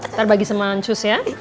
ntar bagi sama ancus ya